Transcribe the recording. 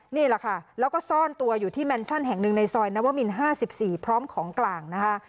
นี่แหละค่ะแล้วก็ซ่อนตัวอยู่ที่แมนชั่นแห่งหนึ่งในซอยนวมิน๕๔พร้อมของกลางนะคะ